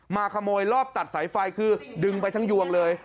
มาขโมยรอบตัดสายไฟคือดึงไปทั้งยวงเลย